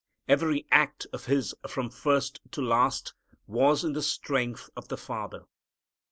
Every act of His from first to last was in the strength of the Father.